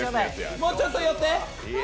もうちょっと寄って。